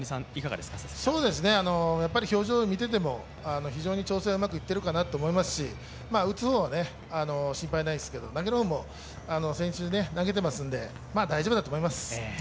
表情を見ていても、非常に調整がうまくいっているかなと思いますし、打つ方は心配ないですけど、投げる方も先週、投げてますんでまあ大丈夫だと思います。